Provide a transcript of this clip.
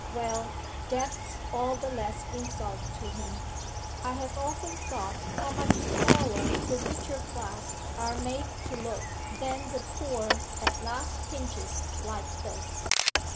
Well, death's all the less insult to him. I have often thought how much smaller the richer class are made to look than the poor at last pinches like this.